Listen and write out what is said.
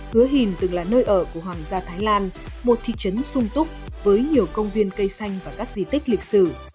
hứa hình từng là nơi ở của hoàng gia thái lan một thị trấn sung túc với nhiều công viên cây xanh và các di tích lịch sử